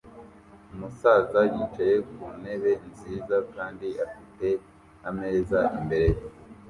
Umusaza yicaye ku ntebe nziza kandi afite ameza imbere ye